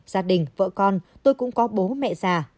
gia đình vợ con tôi cũng có bố mẹ già